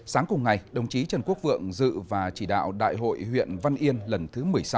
sáng cùng ngày đồng chí trần quốc vượng dự và chỉ đạo đại hội huyện văn yên lần thứ một mươi sáu